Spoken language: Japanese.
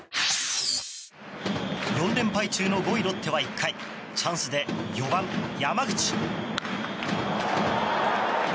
４連敗中の５位ロッテは１回チャンスで４番、山口。